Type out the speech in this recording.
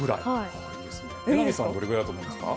榎並さんはどれくらいだと思いますか？